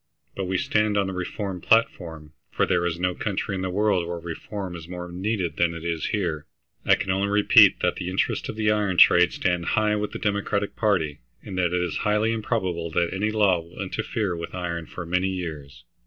But we stand on the reform platform, for there is no country in the world where reform is more needed than it is here. I can only repeat that the interests of the iron trade stand high with the Democratic party, and that it is highly improbable that any law will interfere with iron for many years.